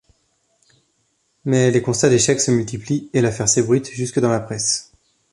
Mais les constats d'échec se multiplient et l'affaire s'ébruite jusque dans la presse.